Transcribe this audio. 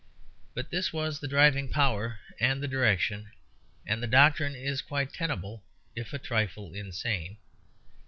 But this was the driving power and the direction; and the doctrine is quite tenable if a trifle insane.